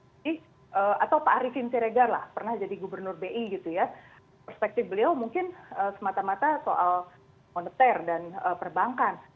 jadi atau pak ariefin seregar lah pernah jadi gubernur bi gitu ya perspektif beliau mungkin semata mata soal moneter dan perbankan